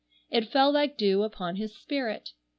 It fell like dew upon his spirit.